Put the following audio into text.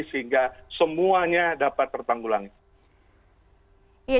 sehingga semuanya dapat tertanggulannya